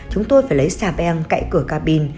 chúng tôi phải lấy xà beng cậy cửa cabin